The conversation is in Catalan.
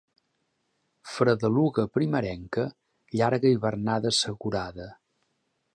Fredeluga primerenca, llarga hivernada assegurada.